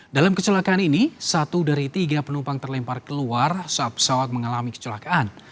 dalam kecelakaan ini satu dari tiga penumpang terlempar keluar saat pesawat mengalami kecelakaan